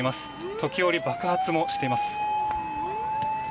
時折、爆発もしています。